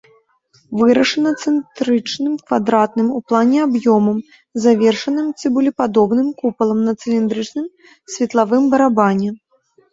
Вырашана цэнтрычным квадратным у плане аб'ёмам, завершаным цыбулепадобным купалам на цыліндрычным светлавым барабане.